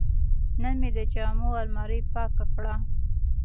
نن مې د جامو الماري پاکه کړه.